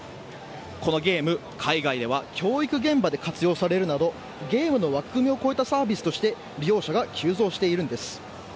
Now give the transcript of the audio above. このゲーム、海外では教育現場で活用されるなどゲームの枠組みを超えたサービスとして利用者が急増しているんです。